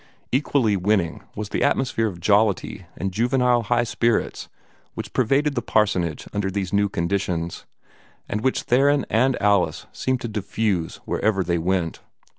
Equally winning was the atmosphere of jollity and juvenile high spirits which pervaded the parsonage under these new conditions, and which Theron and Alice seemed to diffuse wherever they went.